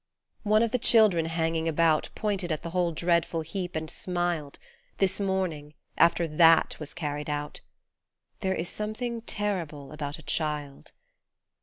One of the children hanging about Pointed at the whole dreadful heap and smiled This morning, after THAT was carried out ; There is something terrible about a child.